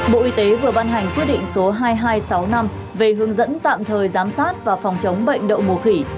bộ y tế vừa ban hành quyết định số hai nghìn hai trăm sáu mươi năm về hướng dẫn tạm thời giám sát và phòng chống bệnh đậu mùa khỉ